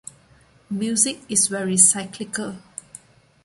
Music is very cyclical.